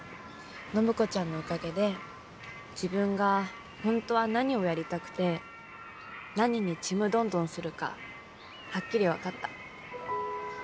暢子ちゃんのおかげで自分が本当は何をやりたくて何にちむどんどんするかはっきり分かった。